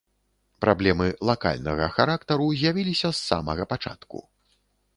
Праблемы лакальнага характару з'явіліся з самога пачатку.